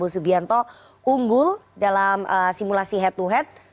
subianto unggul dalam simulasi head to head